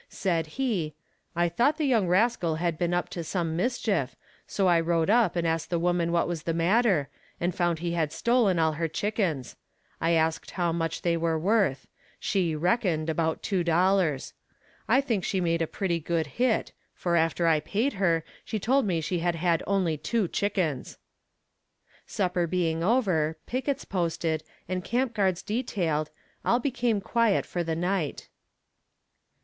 Said he, "I thought the young rascal had been up to some mischief, so I rode up and asked the woman what was the matter, and found he had stolen all her chickens; I asked her how much they were worth; she "reckoned" about two dollars. I think she made a pretty good hit, for after I paid her, she told me she had had only two chickens." Supper being over, pickets posted, and camp guards detailed, all became quiet for the night.